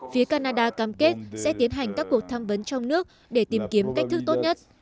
phía canada cam kết sẽ tiến hành các cuộc tham vấn trong nước để tìm kiếm cách thức tốt nhất